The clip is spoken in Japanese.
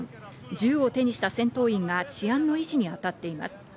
銃を手にした戦闘員が治安の維持に当たっています。